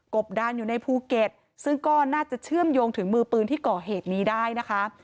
บดานอยู่ในภูเก็ตซึ่งก็น่าจะเชื่อมโยงถึงมือปืนที่ก่อเหตุนี้ได้นะคะ